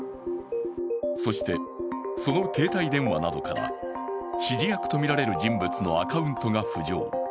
そして、その携帯電話などから指示役とみられる人物のアカウントが浮上。